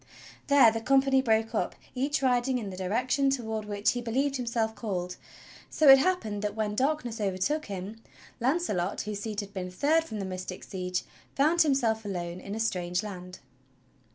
There the company broke up, each riding in the direction toward which he believed himself called; so it happened that, when darkness overtook him, Launcelot, whose seat had been third from the mystic Siege, found himself alone in a strange land.